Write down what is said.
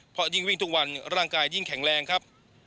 เพราะยิ่งวิ่งทุกวันร่างกายยิ่งแข็งแรงครับ